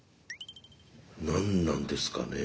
何なんですかねえ。